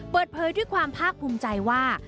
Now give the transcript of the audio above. เปิดเผยด้วยความภาคภูมิใจว่า